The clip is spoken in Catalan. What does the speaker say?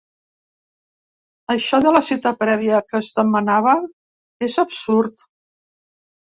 Això de la cita prèvia que es demanava és absurd.